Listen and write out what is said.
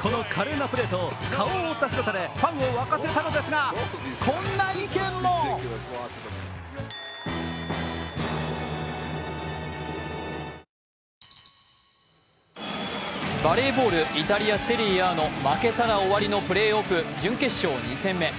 この華麗なプレーと顔を覆った姿でファンを沸かせたのですが、こんな意見もバレーボール、イタリア・セリエＡの負けたら終わりのプレーオフ準決勝２戦目。